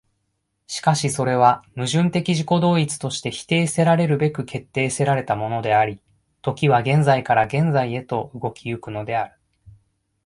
しかしそれは矛盾的自己同一として否定せられるべく決定せられたものであり、時は現在から現在へと動き行くのである。